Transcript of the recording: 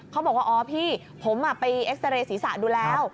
เขาบอกว่าพี่ผมไปเอฟสเตอร์เรสีรษะดูแล้ว